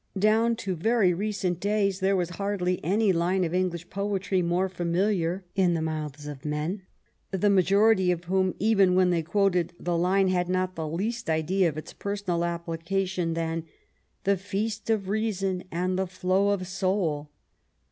Down to very recent days there was hardly any line of English poetry more familiar in the mouths of men — the majority of whom, even when they quoted the line, had not the least idea of its personal application — than "the feast of reason and the flow of soul."